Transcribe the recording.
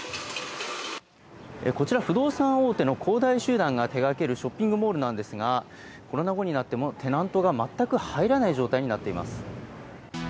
こちら不動産大手の恒大集団が手がけるショッピングモールなんですが、コロナ後になっても、テナントが全く入らない状態になっています。